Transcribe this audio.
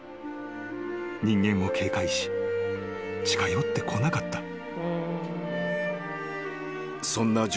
［人間を警戒し近寄ってこなかった］